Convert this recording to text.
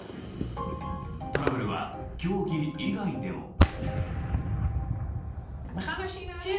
トラブルは競技以外でも。